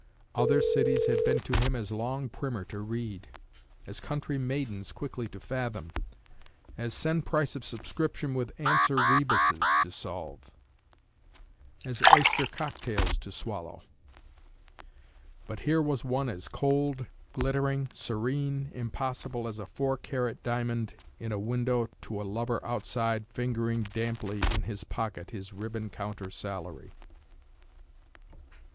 Other cities had been to him as long primer to read; as country maidens quickly to fathom; as send price of subscription with answer rebuses to solve; as oyster cocktails to swallow; but here was one as cold, glittering, serene, impossible as a four carat diamond in a window to a lover outside fingering damply in his pocket his ribbon counter salary.